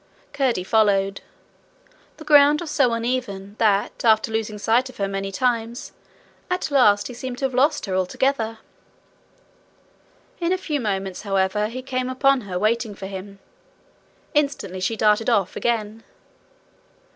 Curdie followed. The ground was so uneven, that after losing sight of her many times, at last he seemed to have lost her altogether. In a few minutes, however, he came upon her waiting for him. Instantly she darted off again.